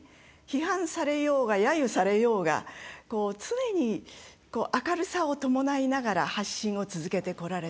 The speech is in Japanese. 批判されようが、やゆされようが常に、明るさを伴いながら発信を続けてこられたと。